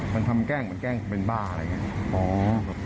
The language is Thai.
มันทำแก้งมันแก้งเป็นบ้าอะไรเงี้ย